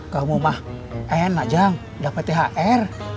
kamu mah enak aja dapat thr